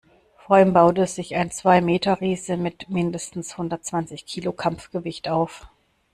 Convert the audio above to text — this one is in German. Vor ihm baute sich ein Zwei-Meter-Riese mit mindestens hundertzwanzig Kilo Kampfgewicht auf.